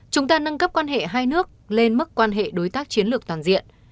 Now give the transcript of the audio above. chúng ta nâng cấp quan hệ hai nước lên mức quan hệ đối tác chiến lược toàn diện